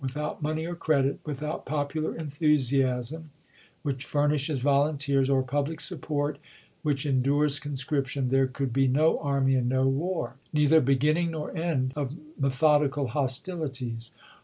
without money or credit, without popular enthusi asm which furnishes volunteers, or public support which endures conscription, there could be no army and no war — neither beginning nor end of method ical hostilities.